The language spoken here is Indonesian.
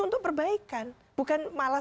untuk perbaikan bukan malah